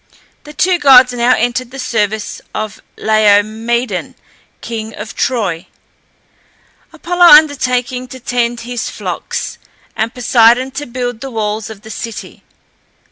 The two gods now entered the service of Laomedon, king of Troy, Apollo undertaking to tend his flocks, and Poseidon to build the walls of the city.